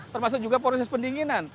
termasuk juga proses pendinginan